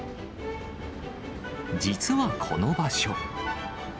実はこの場所。